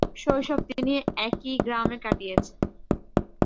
শৈশব তিনি একই গ্রামে কাটিয়েছেন।